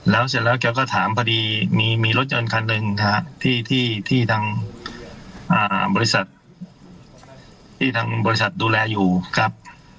แล้วเสร็จแล้วแกก็ถามพอดีมีรถยนต์คันหนึ่งที่ทางบริษัทดูแลอยู่ครับ